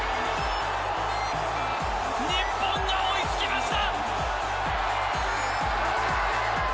日本が追いつきました。